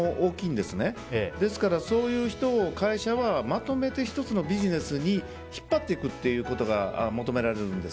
ですから、そういう人を会社はまとめて、１つのビジネスに引っ張っていくというのが求められてるんです。